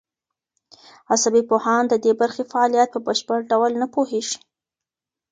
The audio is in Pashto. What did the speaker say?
عصبي پوهان د دې برخې فعالیت په بشپړ ډول نه پوهېږي.